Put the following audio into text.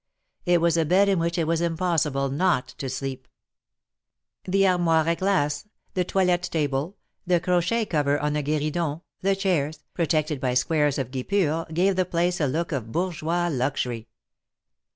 It was a bed in which it was impossible not /to sleep. The armoire ^ glace, the toilette table, the / crochet cover on the gu4ridon, the chairs, protected by squares of guipure, gave the place a look of Bourgeois luxury.